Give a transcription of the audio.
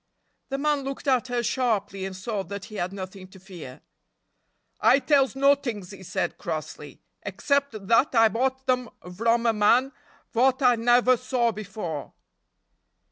The man looked at her sharply and saw that he had nothing to fear. "I tells nottings," he said, crossly, "except dat I bought them vrom a man vot I nefer saw before."